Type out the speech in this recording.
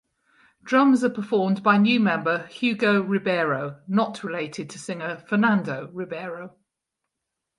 Drums are performed by new member Hugo Ribeiro (not related to singer Fernando Ribeiro).